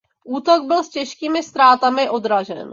Útok byl s těžkými ztrátami odražen.